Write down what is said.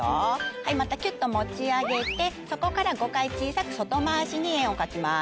はいまたきゅっと持ち上げてそこから５回小さく外回しに円を描きます。